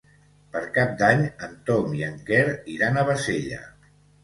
Per Cap d'Any en Tom i en Quer iran a Bassella.